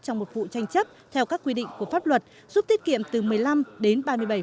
trong một vụ tranh chấp theo các quy định của pháp luật giúp tiết kiệm từ một mươi năm đến ba mươi bảy